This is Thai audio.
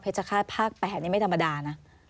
เผ็ดชะคาดภาค๘นี่ไม่ธรรมดานะ